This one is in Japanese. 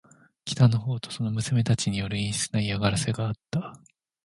北の方とその娘たちによる陰湿な嫌がらせがあった。